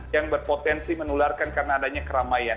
yang berpotensi menularkan karena adanya keramaian